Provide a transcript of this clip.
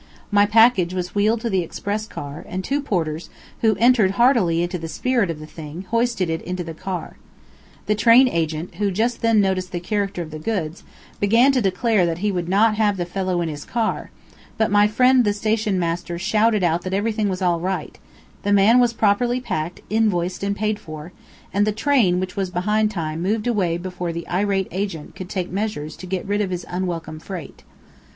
My package was wheeled to the express car, and two porters, who entered heartily into the spirit of the thing, hoisted it into the car. The train agent, who just then noticed the character of the goods, began to declare that he would not have the fellow in his car; but my friend the station master shouted out that everything was all right, the man was properly packed, invoiced and paid for, and the train, which was behind time, moved away before the irate agent could take measures to get rid of his unwelcome freight.